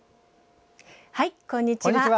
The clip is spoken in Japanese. こんにちは。